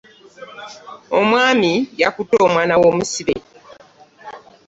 Omwami yakutte omwana w'omusibe.